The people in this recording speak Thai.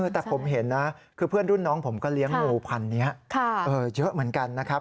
แต่ผมเห็นนะคือเพื่อนรุ่นน้องผมก็เลี้ยงงูพันธุ์นี้เยอะเหมือนกันนะครับ